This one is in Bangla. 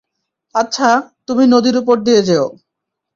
আচ্ছা, তুমি নদীর উপর দিয়ে যেও।